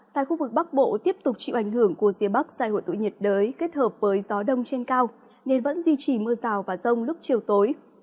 tại khu vực bắc bộ tiếp tục chịu ảnh hưởng của rìa bắc giải hội tụ nhiệt đới kết hợp với gió đông trên cao nên vẫn duy trì mưa rào và rông lúc chiều tối